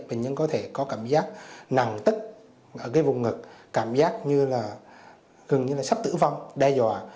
bệnh nhân có thể có cảm giác nặng tức ở cái vùng ngực cảm giác như là gần như là sắp tử vong đe dọa